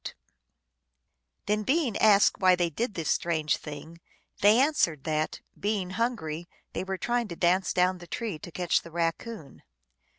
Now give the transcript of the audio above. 1 Then, being asked why they did this strange thing, they answered that, being hungry, they were trying to dance down the tree to catch the Raccoon.